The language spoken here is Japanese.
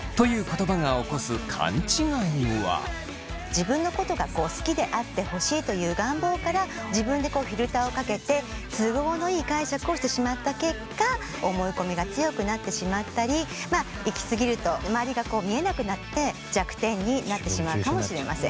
自分のことが好きであってほしいという願望から自分でフィルターをかけて都合のいい解釈をしてしまった結果思い込みが強くなってしまったり行き過ぎると周りがこう見えなくなって弱点になってしまうかもしれません。